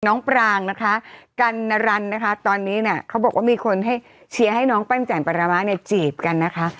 ปรางนะคะกัณรันนะคะตอนนี้เนี่ยเขาบอกว่ามีคนให้เชียร์ให้น้องปั้นแจ่มปรมะเนี่ยจีบกันนะคะ